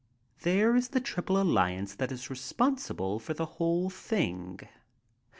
There is the triple alliance that is responsible for the whole thing.